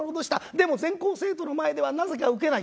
でも全校生徒の前ではなぜかウケない。